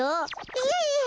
いえいえ。